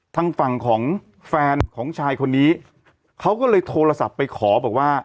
ทางฝั่งของแฟนของชายคนนี้เขาก็เลยโทรศัพท์ไปขอบอกว่า